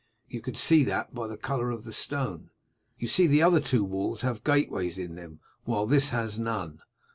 You can see that by the colour of the stone. You see the other two walls have gateways in them while this has none.